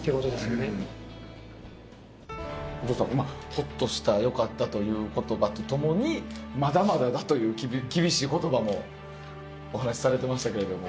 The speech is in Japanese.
「ほっとした。よかった」という言葉と共に「まだまだだ」という厳しい言葉もお話しされてましたけれども。